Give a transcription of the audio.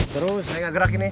terus saya gerak ini